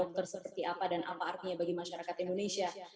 terhadap masyarakat indonesia